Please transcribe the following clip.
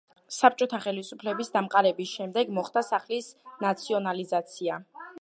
საბჭოტა ხელისუფლების დამყარების შემდეგ მოხდა სახლის ნაციონალიზაცია.